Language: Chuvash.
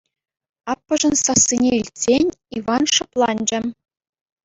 Аппӑшӗн сассине илтсен, Иван шӑпланчӗ.